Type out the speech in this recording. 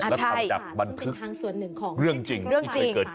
และทำจากบรรทึกประชุมร้ายแห่งเรารลี่ศึก